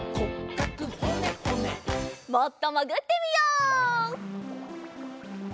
もっともぐってみよう。